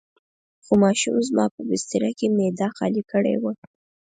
خو ماشوم زما په بستره کې معده خالي کړې وه.